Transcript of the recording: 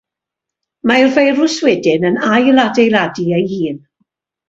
Mae'r firws wedyn yn ailadeiladu ei hun.